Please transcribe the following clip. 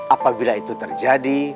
apabila itu terjadi